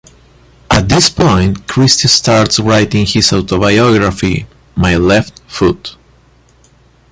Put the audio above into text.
At this point, Christy starts writing his autobiography, "My Left Foot".